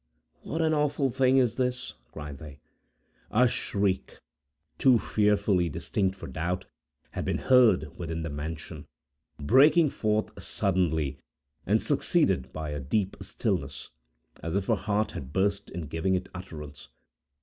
"What an awful thing is this!" cried they. A shriek, too fearfully distinct for doubt, had been heard within the mansion, breaking forth suddenly, and succeeded by a deep stillness, as if a heart had burst in giving it utterance.